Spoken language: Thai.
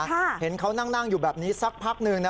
เห็นเขานั่งนั่งอยู่แบบนี้สักพักหนึ่งนะ